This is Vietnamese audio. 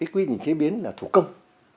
quy trình chế biến là thủ công